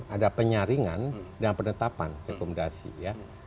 ada penyaringan dan penetapan rekomendasi ya